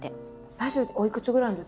ラジオおいくつぐらいのときに。